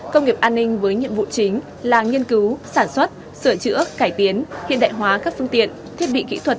công nghiệp an ninh với nhiệm vụ chính là nghiên cứu sản xuất sửa chữa cải tiến hiện đại hóa các phương tiện thiết bị kỹ thuật